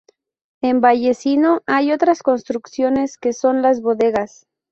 En Vallecillo hay otras construcciones que son las bodegas.